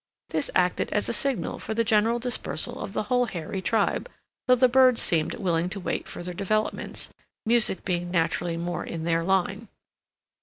This acted as a signal for the general dispersal of the whole hairy tribe, though the birds seemed willing to wait further developments, music being naturally more in their line.